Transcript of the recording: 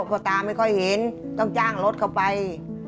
ก็ตาไม่ค่อยเห็นต้องจ้างรถเข้าไป